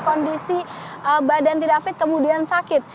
kondisi badan tidak fit kemudian sakit